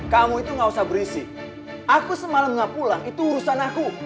kamu itu gak usah berisi aku semalam nggak pulang itu urusan aku